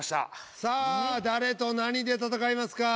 さあ誰と何で戦いますか？